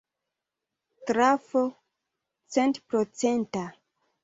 Trafo centprocenta.